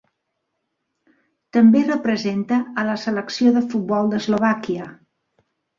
També representa a la selecció de futbol d'Eslovàquia.